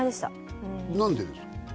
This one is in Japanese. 何でですか？